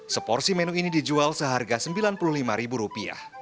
seporsi menu ini dijual seharga rp sembilan puluh lima